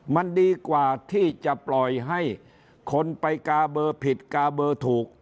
มันดีกว่าที่จะปล่อยให้คนไปกาเบอร์ผิดกาเบอร์ถูก